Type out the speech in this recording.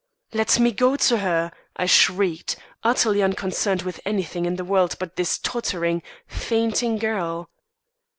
"Let me go to her!" I shrieked, utterly unconcerned with anything in the world but this tottering, fainting girl.